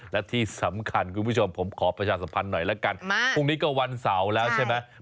และที่สำคัญคุณผู้ชมผมขอประชาสัมพันธ์หน่อยละกันพรุ่งนี้ก็วันเสาร์แล้วใช่ไหม